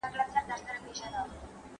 ــــــــــــــــ